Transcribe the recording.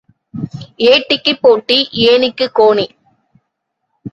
ஏட்டிக்குப் போட்டி, ஏணிக்குக் கோணி.